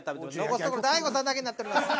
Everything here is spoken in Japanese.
残すところ大悟さんだけになっております。